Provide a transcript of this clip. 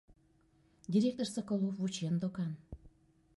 Директор Соколов вучен докан.